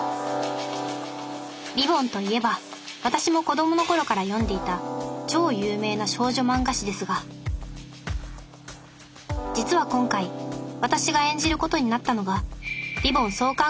「りぼん」といえば私も子供の頃から読んでいた超有名な少女漫画誌ですが実は今回私が演じることになったのが「りぼん」創刊